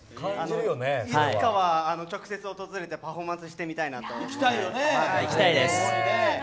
いつかは直接訪れてパフォーマンスをしてみたいなと思います。